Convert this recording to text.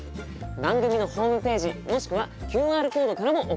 番組のホームページもしくはＱＲコードからも送っていただけます。